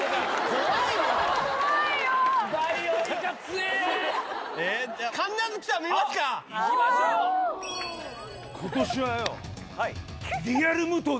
怖いよー。